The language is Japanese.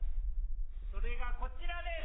それがこちらです！